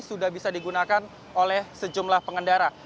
sudah bisa digunakan oleh sejumlah pengendara